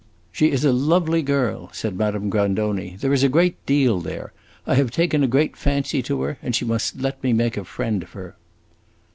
"She is a lovely girl," said Madame Grandoni. "There is a great deal there. I have taken a great fancy to her, and she must let me make a friend of her."